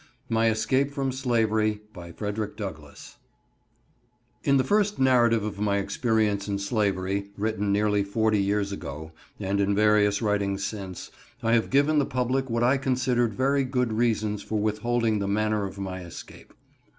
My Escape from Slavery In the first narrative of my experience in slavery, written nearly forty years ago, and in various writings since, I have given the public what I considered very good reasons for withholding the manner of my escape.